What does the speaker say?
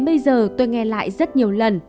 bây giờ tôi nghe lại rất nhiều lần